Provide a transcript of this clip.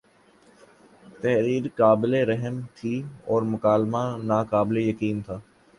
تحریر قابل رحم تھی اور مکالمہ ناقابل یقین تھا